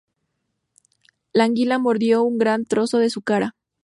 La anguila mordió un gran trozo de su cara.